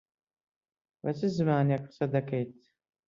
بە چ زمانێک قسە دەکەیت؟